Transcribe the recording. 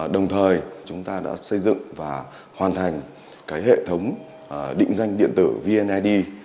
đồng thời chúng ta đã xây dựng và hoàn thành hệ thống định danh điện tử vneid